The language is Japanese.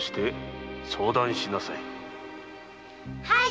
はい！